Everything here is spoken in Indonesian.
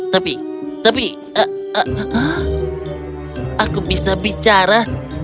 tapi tapi aku bisa bicara